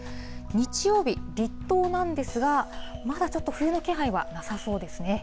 日曜日、立冬なんですが、まだちょっと冬の気配はなさそうですね。